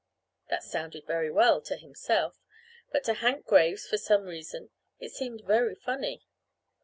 That sounded very well, to himself, but to Hank Graves, for some reason, it seemed very funny.